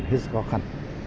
rất khó khăn